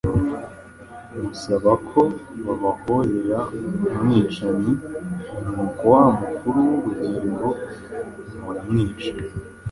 musaba ko bababohorera umwicanyi, nuko wa Mukuru w’ubugingo muramwica;